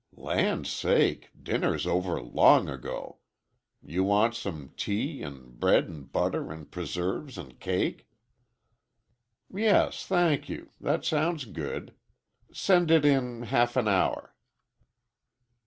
"Land sake, dinner's over long ago. You want some tea, 'n' bread, 'n' butter, 'n' preserves, 'n' cake?" "Yes, thank you, that sounds good. Send it in half an hour."